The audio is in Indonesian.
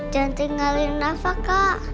jangan tinggalin rafa kak